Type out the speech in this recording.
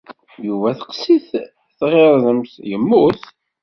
Yuba teqqes-it tɣirdemt, yemmut.